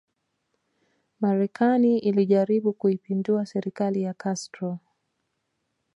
Marekani ilijaribu kuipindua serikali ya Castro